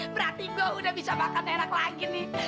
berarti gue udah bisa makan enak lagi nih